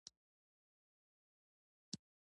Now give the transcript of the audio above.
خصوصي کول د عامه ملکیتونو په خصوصي بدلول دي.